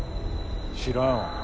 知らんわ。